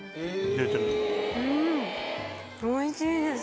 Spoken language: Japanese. うんおいしいです。